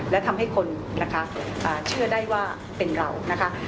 และทำให้คนนะคะเชื่อได้ว่าเป็นเรานะคะ